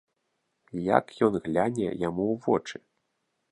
Як ён гляне яму ў вочы?